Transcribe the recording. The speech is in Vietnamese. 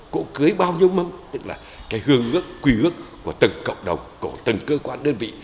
cổ cưới bao nhiêu mâm tức là cái hương ước quy ước của từng cộng đồng của từng cơ quan đơn vị